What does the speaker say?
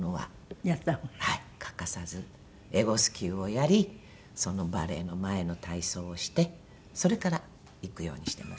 エゴスキューをやりバレエの前の体操をしてそれから行くようにしてます。